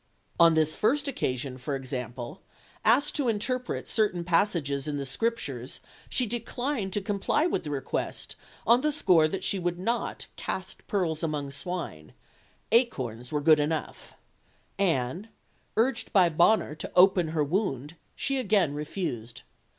On this first occasion, for example, asked to interpret certain passages in the Scriptures, she declined to comply with the request on the score that she would not cast pearls among swine acorns were good enough; and, urged by Bonner to open her wound, she again refused.